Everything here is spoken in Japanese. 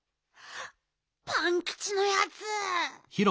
パンキチのやつ！